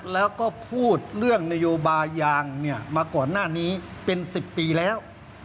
แล้วก็พูดเรื่องนโยบายยางมาก่อนหน้านี้เป็น๑๐ปีแล้ว